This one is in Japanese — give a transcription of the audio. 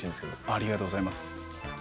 ありがとうございます。